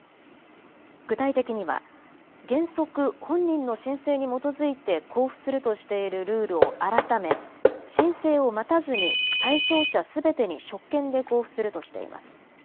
具体的には原則、本人の申請に基づいて交付するとしているルールを改め申請を待たずに対象者すべてに職権で交付するとしています。